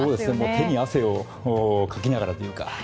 手に汗をかきながらというか。